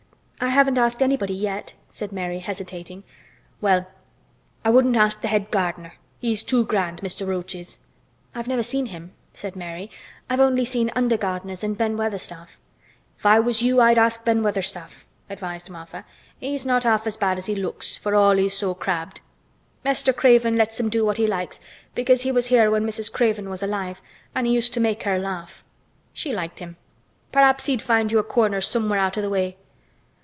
"I haven't asked anybody yet," said Mary, hesitating. "Well, I wouldn't ask th' head gardener. He's too grand, Mr. Roach is." "I've never seen him," said Mary. "I've only seen undergardeners and Ben Weatherstaff." "If I was you, I'd ask Ben Weatherstaff," advised Martha. "He's not half as bad as he looks, for all he's so crabbed. Mr. Craven lets him do what he likes because he was here when Mrs. Craven was alive, an' he used to make her laugh. She liked him. Perhaps he'd find you a corner somewhere out o' the way."